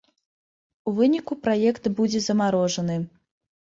У выніку праект будзе замарожаны.